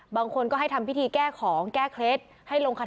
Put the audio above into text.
ทั้งหมดนี้คือลูกศิษย์ของพ่อปู่เรศรีนะคะ